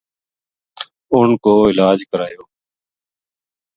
اُنھ کو علاج کرایو